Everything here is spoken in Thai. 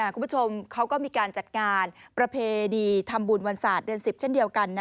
คุณผู้ชมเขาก็มีการจัดงานประเพณีทำบุญวันศาสตร์เดือน๑๐เช่นเดียวกัน